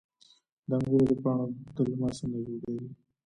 د انګورو د پاڼو دلمه څنګه جوړیږي؟